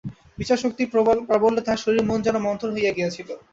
বিচারশক্তির প্রাবল্যে তাহার শরীর মন যেন মন্থর হইয়া গিয়াছিল।